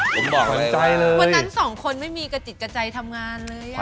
ผมบอกเลยวันนั้นสองคนไม่มีกระจิตกระใจทำงานเลยอ่ะ